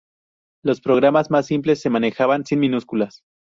Los programas más simples se manejaban sin minúsculas.